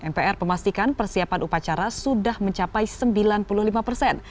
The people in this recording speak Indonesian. mpr memastikan persiapan upacara sudah mencapai sembilan puluh lima persen